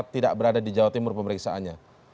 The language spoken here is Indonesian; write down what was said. tidak berada di jawa timur pemeriksaannya